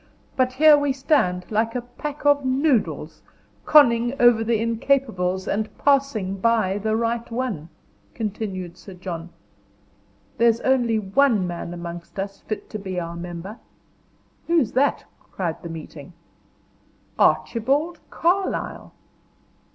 "But here we stand, like a pack of noodles, conning over the incapables, and passing by the right one," continued Sir John. "There's only one man amongst us fit to be our member." "Who's that?" cried the meeting. "Archibald Carlyle."